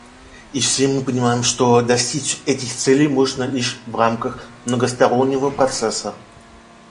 И все мы понимаем, что достичь этих целей можно лишь в рамках многостороннего процесса.